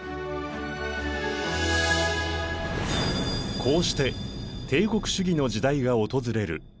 こうして帝国主義の時代が訪れる。